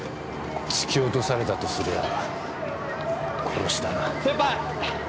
突き落とされたとするなら殺しだな。